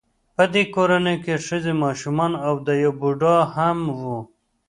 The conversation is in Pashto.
په دې کورنۍ کې ښځې ماشومان او یو بوډا هم و